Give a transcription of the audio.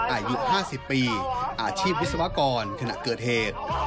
อายุ๕๐ปีอาชีพวิศวกรขณะเกิดเหตุ